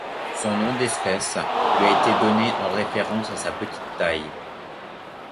Son nom d'espèce lui a été donné en référence à sa petite taille.